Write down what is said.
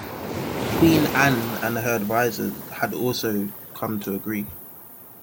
Queen Anne and her advisors had also come to agree.